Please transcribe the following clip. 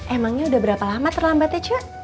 emangnya udah berapa lama terlambatnya cak